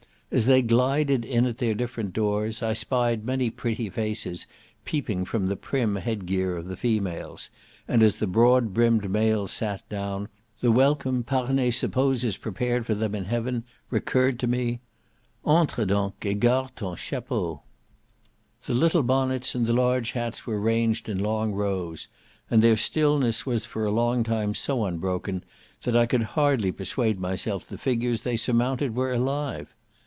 As they glided in at their different doors, I spied many pretty faces peeping from the prim head gear of the females, and as the broad brimmed males sat down, the welcome Parney supposes prepared for them in heaven, recurred to me, "Entre done, et garde ton chapeau." The little bonnets and the large hats were ranged in long rows, and their stillness was for a long time so unbroken, that I could hardly persuade myself the figures they surmounted were alive.